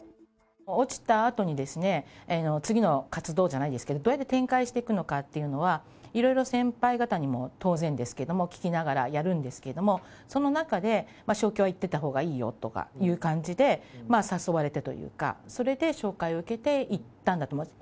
落ちたあとに、次の活動じゃないですけど、どうやって展開していくのかというのは、いろいろ先輩方にも当然ですけれども、聞きながらやるんですけれども、その中で、勝共は行っておいたほうがいいよとかいう感じで、誘われてというか、それで紹介を受けて行ったんだと思います。